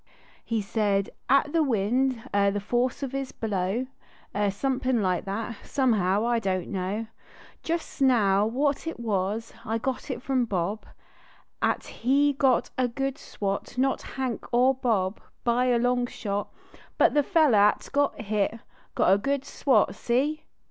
He said at the wind, er the force of his blow, Ivr somepin like that ; somehow I don t know Just now what it was I got it from Bob At he got a good swat ; not Hunk er Bob, By a long shot. But the feller at got hit (iot a good swat. See